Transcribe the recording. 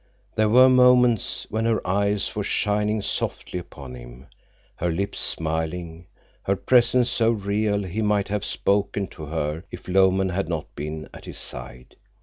There were moments when her eyes were shining softly upon him, her lips smiling, her presence so real he might have spoken to her if Lomen had not been at his side.